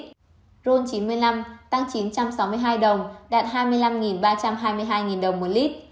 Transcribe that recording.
ron chín mươi năm tăng chín trăm sáu mươi hai đồng đạt hai mươi năm ba trăm hai mươi hai đồng một lít